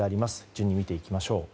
順に見ていきましょう。